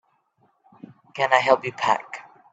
Can I help you pack?